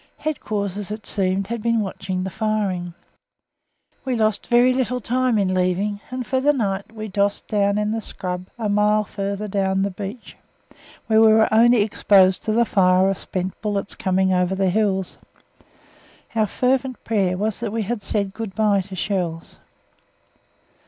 Headquarters, it appears, had been watching the firing. We lost very little time in leaving, and for the night we dossed down in the scrub a mile further along the beach, where we were only exposed to the fire of spent bullets coming over the hills. Our fervent prayer was that we had said good bye to shells.